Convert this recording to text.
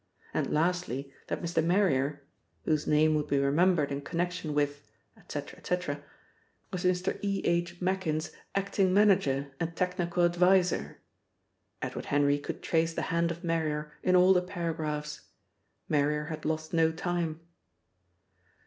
And lastly, that Mr. Marrier (whose name would be remembered in connection with ... etc., etc.) was Mr. E. H. Machin's acting manager and technical adviser. Edward Henry could trace the hand of Marrier in all the paragraphs. Marrier had lost no time.